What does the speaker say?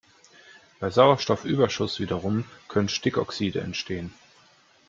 Bei Sauerstoffüberschuss wiederum können Stickoxide entstehen.